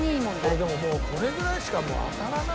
これでももうこれぐらいしか当たらないよな。